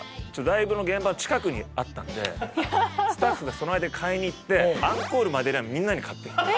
ライブの現場近くにあったのでスタッフがその間に買いに行ってアンコールまでにはみんなに買ってきた。